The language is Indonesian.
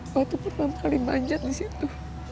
waktu pertama kali manjat disitu